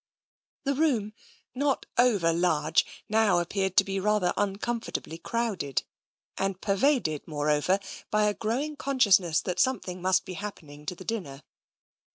The room, not over large, now appeared to be rather uncomfortably crowded, and pervaded, more TENSION 79 over, by a growing consciousness that something must be happening to the dinner.